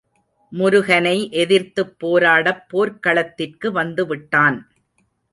முருகனை எதிர்த்துப் போராடப் போர்க்களத்திற்கு வந்துவிட்டான்.